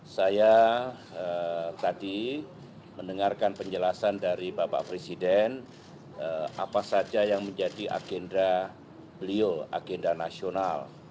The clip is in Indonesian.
saya tadi mendengarkan penjelasan dari bapak presiden apa saja yang menjadi agenda beliau agenda nasional